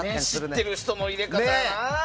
知ってる人の入れ方だな。